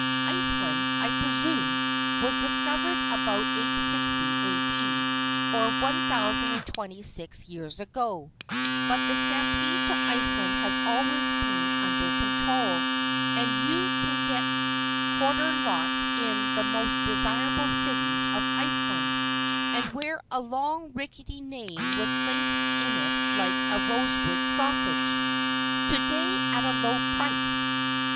Iceland, I presume, was discovered about 860 A. D., or 1,026 years ago, but the stampede to Iceland has always been under control, and you can get corner lots in the most desirable cities of Iceland, and wear a long rickety name with links in it like a rosewood sausage, to day at a low price.